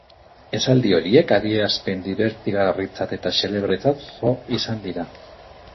Esaldi horiek adierazpen dibertigarritzat eta xelebretzat jo izan dira.